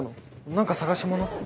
何か捜し物？